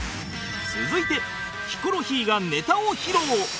続いてヒコロヒーがネタを披露